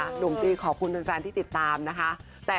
อะไรไหมล่ะ